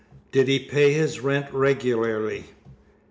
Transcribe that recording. Did he pay his rent regularly?